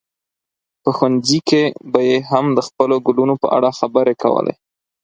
په ښوونځي کې به یې هم د خپلو ګلونو په اړه خبرې کولې.